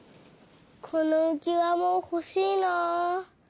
このうきわもほしいな！